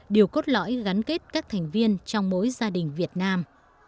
điều cốt lõi gắn kết các thành viên trong mỗi gia đình việt nam